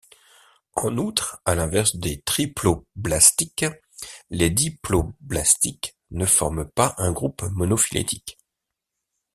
En outre, à l'inverse des triploblastiques, les diploblastiques ne forment pas un groupe monophylétique.